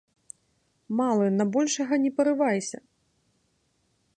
Малы на большага не парывайся!